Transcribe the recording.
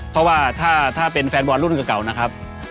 เพราะว่าถ้าเป็นแฟนบอลรุ่นเก่านะครับ